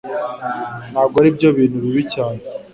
Ntabwo aribyo bintu bibi cyane